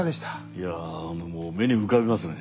いやあのもう目に浮かびますね。